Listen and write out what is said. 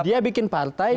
dia bikin partai